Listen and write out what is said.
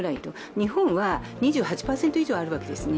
日本は２８％以上あるわけですね。